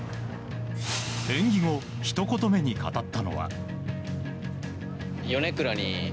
演技後、ひと言めに語ったのは。